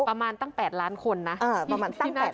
ประมาณตั้ง๘ล้านคนนะ